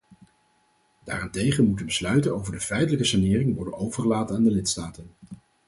Daarentegen moeten besluiten over de feitelijke sanering worden overgelaten aan de lidstaten.